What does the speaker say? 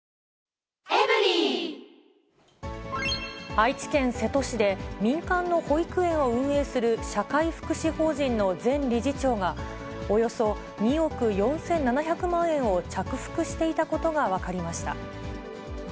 愛知県瀬戸市で、民間の保育園を運営する社会福祉法人の前理事長が、およそ２億４７００万円を着服していたことが分かりました。